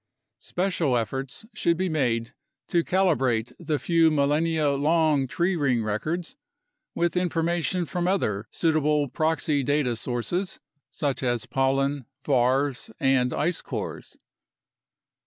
Special efforts should be made to calibrate the few millenia long tree ring records with information from other suitable proxy data sources, such as pollen, varves, and ice cores.